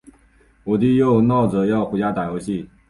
我弟又闹着要回家打游戏。